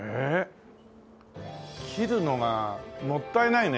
切るのがもったいないね。